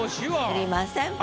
いりません。